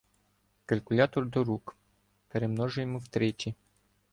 Калькулятор до рук – перемножуємо втричі